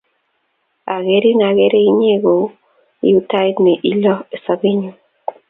Akerin akere inye ko iu tait ne iluu sobennyu.